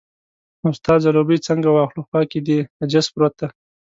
اوس ستا ځلوبۍ څنګه واخلو، خوا کې دې نجس پروت دی.